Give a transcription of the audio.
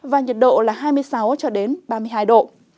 và nhiệt độ là hai mươi sáu cho đến ba mươi hai độ